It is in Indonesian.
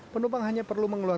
penumpang hanya perlu mengangkut